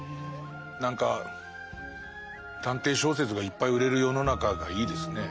何か探偵小説がいっぱい売れる世の中がいいですね。